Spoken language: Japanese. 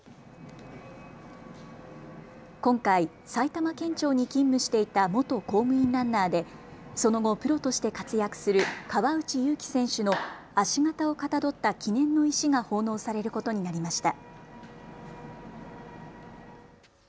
今回、埼玉県庁に勤務していた元公務員ランナーでその後、プロとして活躍する川内優輝選手の足形をかたどった記念の石が奉納されることになりました。